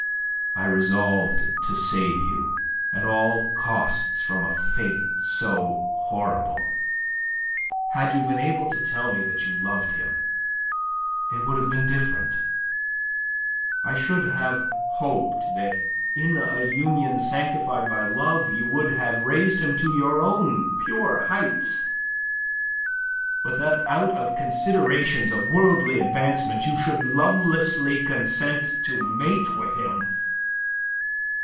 I resolved to save you at all costs from a fate so horrible. Had you been able to tell me that you loved him it would have been different. I should have hoped that in a union sanctified by love you would have raised him to your own pure heights. But that out of considerations of worldly advancement you should lovelessly consent to mate with him...